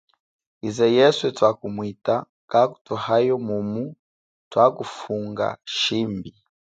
Yize yeswe twakumwita kakutwahayo mumu twakufunga shimbi.